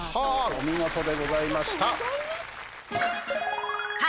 お見事でございました。